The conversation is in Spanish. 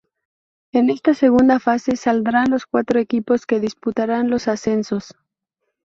En esta segunda fase saldrán los cuatro equipos que disputarán los ascensos.